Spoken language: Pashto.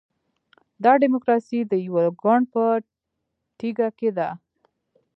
دا ډیموکراسي د یوه ګوند په ټیکه کې ده.